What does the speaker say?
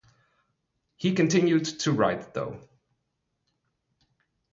He continued to write, though.